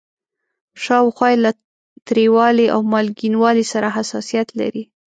شاوخوا یې له تریوالي او مالګینوالي سره حساسیت لري.